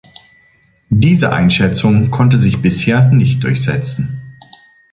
Diese Einschätzung konnte sich bisher nicht durchsetzen.